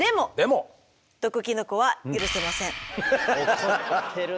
怒ってるね。